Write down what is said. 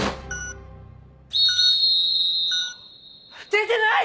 出てない！